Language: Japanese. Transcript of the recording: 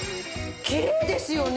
きれいですよね！